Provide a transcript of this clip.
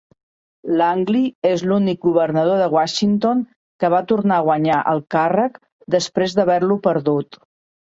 Langlie és l'únic governador de Washington que va tornar a guanyar el càrrec després d'haver-lo perdut.